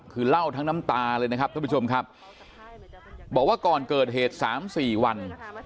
คือเล่าทั้งน้ำตาเลยนะครับท่านผู้ชมครับบอกว่าก่อนเกิดเหตุสามสี่วัน